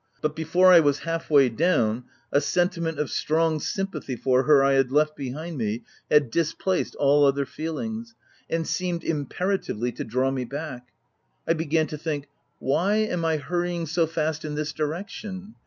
But before I was half way down a sentiment of strong sympathy for her I had left behind me had displaced all other feelings, and seemed imperatively to draw me back : I began to think, " Why am I hurrying so fast in this direction?